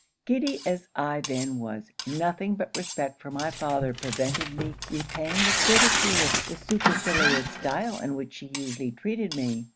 Giddy as I then was, nothing but respect for my father prevented my repaying with ridicule, the supercilious style in which she usually treated me.